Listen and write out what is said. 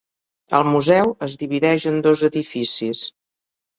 El museu es divideix en dos edificis.